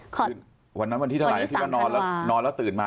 คือวันนั้นวันที่เท่าไหร่ที่ก็นอนแล้วตื่นมา